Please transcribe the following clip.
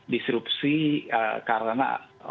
disrupsi karena orang yang terinfeksi